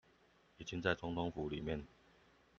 已經在總統府裡面